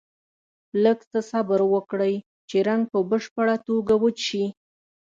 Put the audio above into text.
لږ څه صبر وکړئ چې رنګ په بشپړه توګه وچ شي.